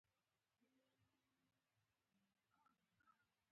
مستري وویل نه ښاغلی بریدمن.